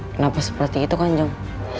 kenapa seperti itu kanjong